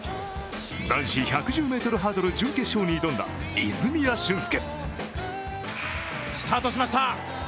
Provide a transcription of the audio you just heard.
男子１１０ｍハードル準決勝に挑んだ泉谷駿介。